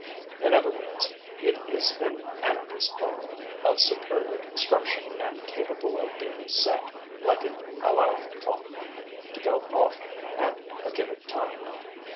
In other words, it is an anarchist bomb, of superior construction and capable of being set, like an alarum clock, to go off at a given time.